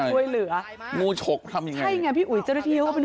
ช่วยเหลืองูชกทำยังไงใช่ไงพี่อุ๋ยเจ้าที่ว่าเป็น